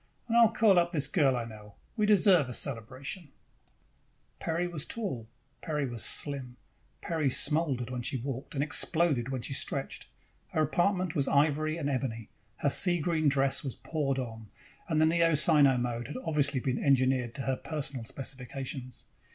And I will call up this girl I know. We deserve a celebration!" Peri was tall. Peri was slim. Peri smoldered when she walked and exploded when she stretched. Her apartment was ivory and ebony, her sea green dress was poured on, and the Neo Sino mode had obviously been engineered to her personal specifications.